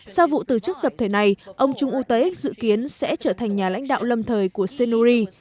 sau vụ từ chức tập thể này ông chung woo taek dự kiến sẽ trở thành nhà lãnh đạo lâm thời của saenuri